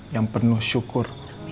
yang penuh syukur